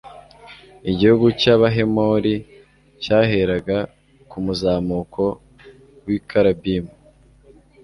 igihugu cy'abahemori cyaheraga ku muzamuko w'i karabimu